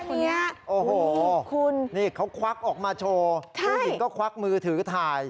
คนนี้โอ้โหคุณนี่เขาควักออกมาโชว์ผู้หญิงก็ควักมือถือถ่าย